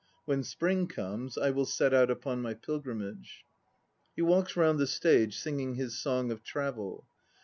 When Spring comes I will set out upon my pilgrimage. (He walks round the stage singing his song of travel.)